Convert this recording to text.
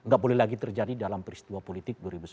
gak boleh lagi terjadi dalam peristiwa politik